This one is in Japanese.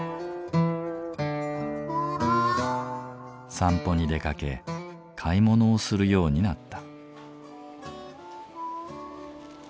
散歩に出かけ買い物をするようになった。